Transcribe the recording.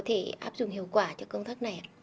thì áp dụng hiệu quả cho công thức này